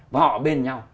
và họ ở bên nhau